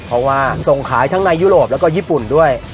เพราะว่าส่งขายทั้งในยุโรปแล้วก็ญี่ปุ่นด้วย